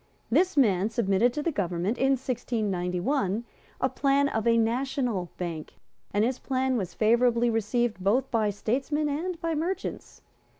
This man submitted to the government, in 1691, a plan of a national bank; and his plan was favourably received both by statesmen and by merchants.